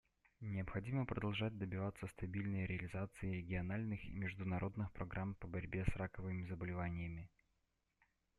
Необходимо продолжать добиваться стабильной реализации региональных и международных программ по борьбе с раковыми заболеваниями.